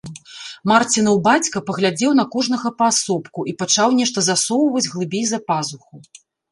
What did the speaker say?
Марцінаў бацька паглядзеў на кожнага паасобку і пачаў нешта засоўваць глыбей за пазуху.